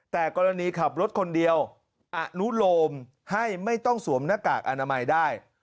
แต่กรณีขับรถคนเดียวอนุโลมให้ไม่ต้องสวมหน้ากากอนามัยได้